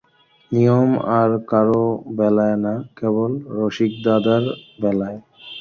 নিয়ম আর কারো বেলায় না, কেবল রসিকদাদার বেলায়!